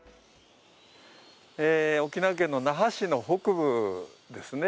沖縄県の那覇市の北部ですね。